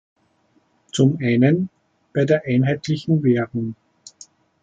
Zum einen bei der einheitlichen Währung.